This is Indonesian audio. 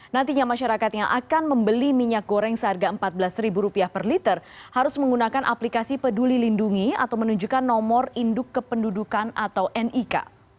nantinya masyarakat yang akan membeli minyak goreng seharga rp empat belas per liter harus menggunakan aplikasi peduli lindungi atau menunjukkan nomor induk kependudukan atau nik